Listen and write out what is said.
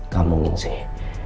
kamu minta sih